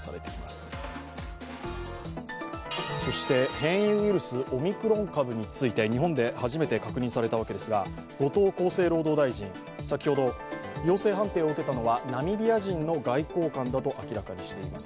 変異ウイルス、オミクロン株について日本で初めて確認されたわけですが、後藤厚生労働大臣、先ほど陽性判定を受けたのはナミビア人の外交官だと明らかにしています。